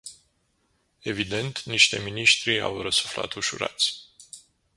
Evident, niște miniștri au răsuflat ușurați.